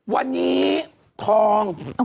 วันนี้ทอง